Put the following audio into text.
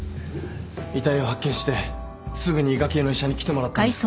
遺体を発見してすぐに伊賀系の医者に来てもらったんですが。